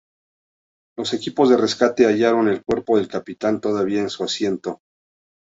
Los equipos de rescate hallaron el cuerpo del capitán todavía en su asiento.